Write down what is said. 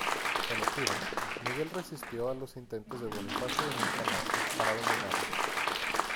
En Epiro, Miguel resistió a los intentos de Bonifacio de Montferrato para dominarlo.